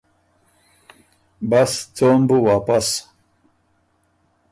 بس څوم بُو واپس۔